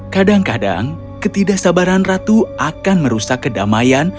kadang kadang ketidaksabaran ratu akan merusak kedamaian